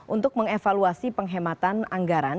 untuk mengevaluasi penghematan anggaran